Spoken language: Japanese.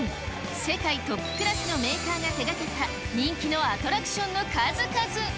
世界トップクラスのメーカーが手がけた人気のアトラクションの数々。